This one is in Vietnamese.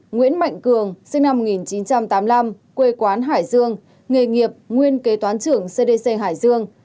nguyễn mạnh cường sinh năm một nghìn chín trăm tám mươi năm quê quán hải dương nghề nghiệp nguyên kế toán trưởng cdc hải dương